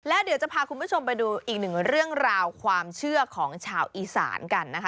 แล้วเดี๋ยวจะพาคุณผู้ชมไปดูอีกหนึ่งเรื่องราวความเชื่อของชาวอีสานกันนะคะ